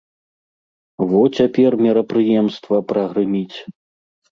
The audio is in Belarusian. Во цяпер мерапрыемства прагрыміць!